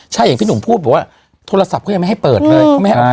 ใช่อย่างที่หนูพูดเหมือนว่าโทรศัพท์เค้ายังไม่ให้เปิดเลย